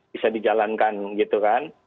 bisa dijalankan gitu kan